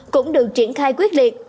cũng được triển khai quyết liệt